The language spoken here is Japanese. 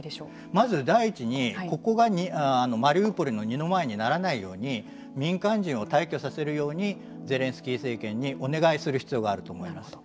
まず第１にここがマリウポリの二の舞いにならないように民間人を退去させるようにゼレンスキー政権にお願いする必要があると思います。